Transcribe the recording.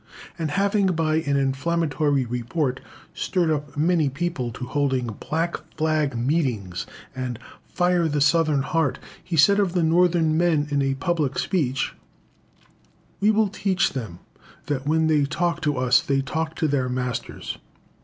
And having, by an inflammatory report, stirred up many people to hold "blackflag" meetings and "fire the Southern heart," he said of the Northern men in a public speech "We will teach them that, when they talk to us, they talk to their masters."